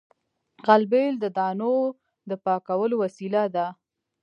غلبېل د دانو د پاکولو وسیله ده